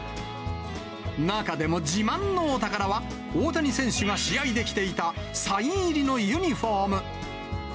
中でも自慢のお宝は、大谷選手が試合で着ていたサイン入りのユニホーム。